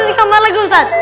jangan di kamar lagi ustaz